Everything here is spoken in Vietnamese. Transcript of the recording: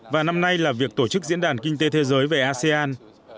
và năm nay là việc tổ chức diễn đàn kinh tế thế giới về asean